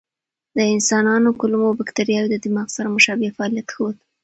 د انسانانو کولمو بکتریاوې د دماغ سره مشابه فعالیت ښود.